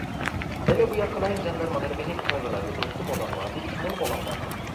Hele bu yakaların candarmaları beni hep tanırlardı, dostum olan vardı, düşmanım olan vardı.